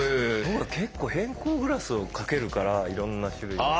僕は結構偏光グラスを掛けるからいろんな種類の。